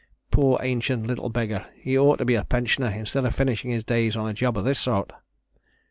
Poor ancient little beggar, he ought to be a pensioner instead of finishing his days on a job of this sort.